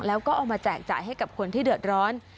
แล้วก็เอามาแจกจ่ายให้กับคนที่เดือดร้อน